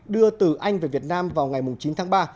đưa từ anh về việt nam vào ngày chín tháng ba